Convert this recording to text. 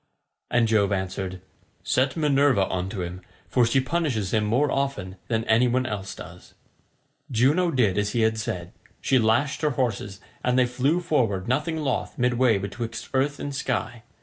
And Jove answered, "Set Minerva on to him, for she punishes him more often than any one else does." Juno did as he had said. She lashed her horses, and they flew forward nothing loth midway betwixt earth and sky.